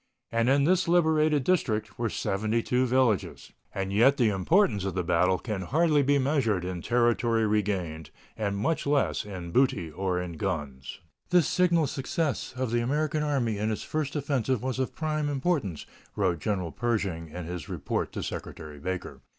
And in this liberated district were 72 villages. And yet the importance of the battle can hardly be measured in territory regained, and much less in booty or in guns. "This signal success of the American Army in its first offensive was of prime importance," wrote General Pershing in his report to Secretary Baker.